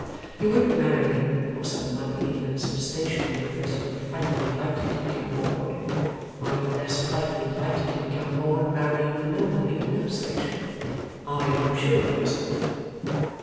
"You wouldn't marry for some money and some station, because you were frightfully likely to become bored. Are you less frightfully likely to become bored, marrying for no money and no station? Are you sure of yourself?"